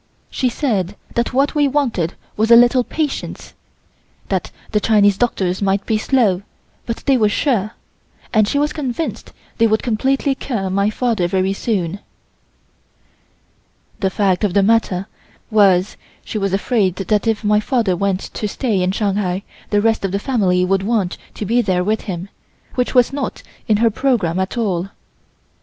She said that what we wanted was a little patience, that the Chinese doctors might be slow, but they were sure, and she was convinced they would completely cure my father very soon. The fact of the matter was she was afraid that if my father went to stay in Shanghai the rest of the family would want to be there with him, which was not in her programme at all.